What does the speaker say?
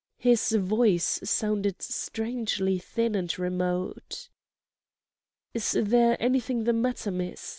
His voice sounded strangely thin and remote. "Is there anything the matter, miss?